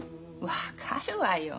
分かるわよ。